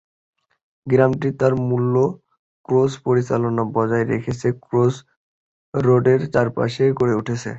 গ্রামটি তার মূল ক্রস পরিকল্পনা বজায় রেখেছে, ক্রস-রোডের চারপাশে গড়ে উঠেছে।